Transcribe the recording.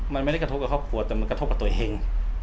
มันไม่ได้กระทบกับครอบครัวแต่มันกระทบกับตัวเอง